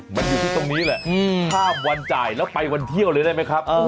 มันอยู่ที่ตรงนี้แหละข้ามวันจ่ายแล้วไปวันเที่ยวเลยได้ไหมครับ